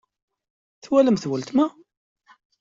Twalamt weltma?